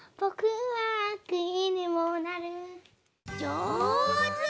じょうず。